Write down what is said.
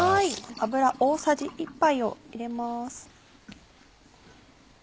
油大さじ１杯を入れます。